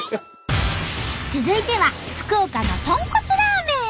続いては福岡の豚骨ラーメン！